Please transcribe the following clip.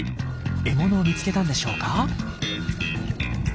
獲物を見つけたんでしょうか。